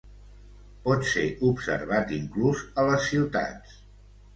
Pot ser observat inclús a les ciutats.